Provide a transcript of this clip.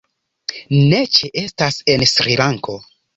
Ne ĉeestas en Srilanko.